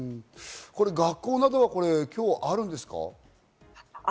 学校などは今日あるんですか？